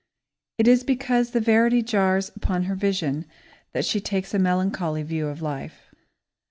It is because the verity jars upon her vision that she takes a melancholy view of life.